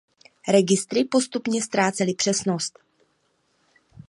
Registry postupně ztrácely přesnost.